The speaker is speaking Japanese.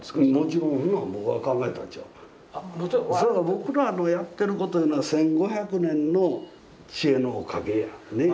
僕らのやってるこというのは１，５００年の知恵のおかげやね。